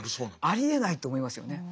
ありえないと思いますよね。